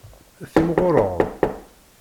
Timɣureḍ.